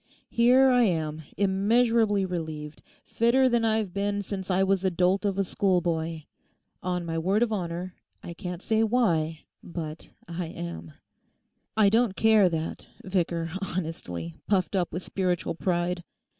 Here I am, immeasurably relieved, fitter than I've been since I was a dolt of a schoolboy. On my word of honour: I can't say why, but I am. I don't care that, vicar, honestly—puffed up with spiritual pride.